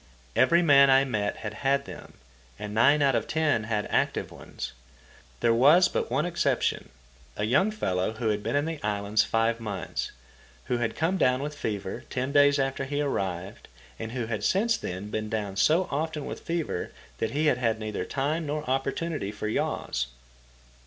Every man I met had had them, and nine out of ten had active ones. There was but one exception, a young fellow who had been in the islands five months, who had come down with fever ten days after he arrived, and who had since then been down so often with fever that he had had neither time nor opportunity for yaws.